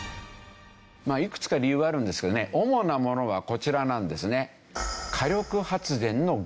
まあいくつか理由はあるんですけどね主なものはこちらなんですね。